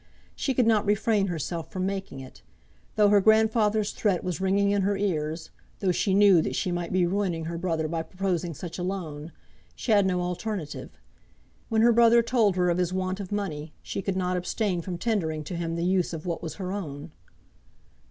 She could not refrain herself from making it. Though her grandfather's threat was ringing in her ears, though she knew that she might be ruining her brother by proposing such a loan, she had no alternative. When her brother told her of his want of money, she could not abstain from tendering to him the use of what was her own.